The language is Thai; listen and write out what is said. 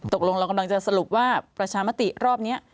ตกลงเรากำลังจะสรุปว่าประชามติรอบนี้